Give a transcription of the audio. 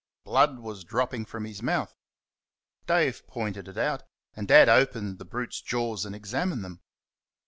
Blood was dropping from its mouth. Dave pointed it out, and Dad opened the brute's jaws and examined them.